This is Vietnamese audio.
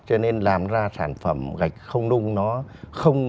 cho nên làm ra sản phẩm gạch không nung nó không